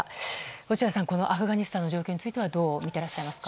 落合さん、アフガニスタンの状況についてはどう見ていますか。